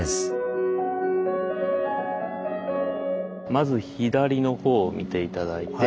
まず左のほうを見て頂いて。